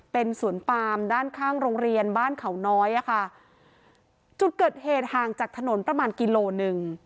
เป็นสวนปามด้านข้างโรงเรียนบ้านเขาน้อยอ่ะค่ะจุดเกิดเหตุห่างจากถนนประมาณกิโลหนึ่ง